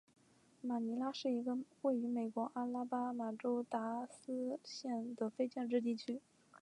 马尼拉是一个位于美国阿拉巴马州达拉斯县的非建制地区。